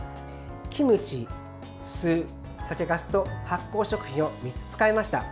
キムチ、酢、酒かすと発酵食品を３つ使いました。